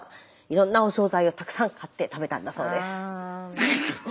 いろんなお総菜をたくさん買って食べたんだそうです。